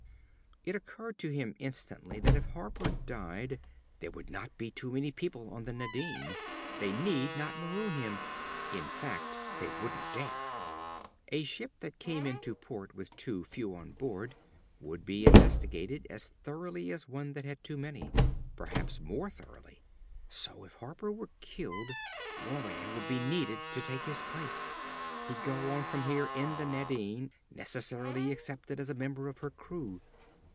It occurred to him instantly that if Harper died, there would not be too many people on the Nadine. They need not maroon him. In fact, they wouldn't dare. A ship that came in to port with two few on board would be investigated as thoroughly as one that had too many. Perhaps more thoroughly. So if Harper were killed, Moran would be needed to take his place. He'd go on from here in the Nadine, necessarily accepted as a member of her crew.